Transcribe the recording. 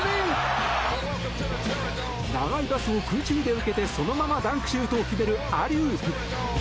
長いパスを空中で受けてそのままダンクシュートを決めるアリウープ。